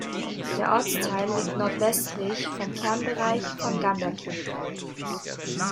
Der Ortsteil liegt nordwestlich vom Kernbereich von Ganderkesee.